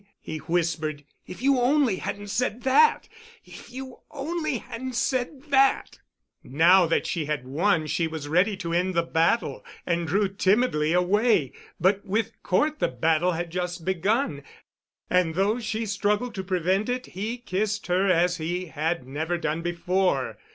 he whispered. "If you only hadn't said that—if you only hadn't said that——" Now that she had won she was ready to end the battle, and drew timidly away. But with Cort the battle had just begun. And though she struggled to prevent it, he kissed her as he had never done before.